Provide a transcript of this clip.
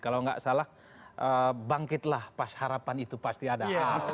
kalau nggak salah bangkitlah pas harapan itu pasti ada